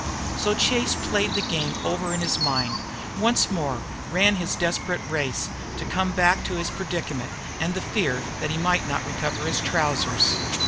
So Chase played the game over in his mind, once more ran his desperate race, to come back to his predicament and the fear that he might not recover his trousers.